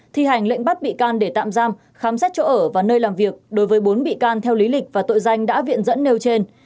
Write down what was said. thi hành lệnh bắt bị can để tạm giam khám xét chỗ ở và nơi làm việc đối với bốn bị can theo lý lịch và tội danh đã viện dẫn nêu trên